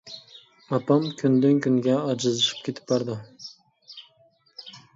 ئاپام كۈندىن كۈنگە ئاجىزلىشىپ كېتىپ بارىدۇ.